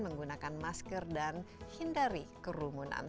menggunakan masker dan hindari kerumunan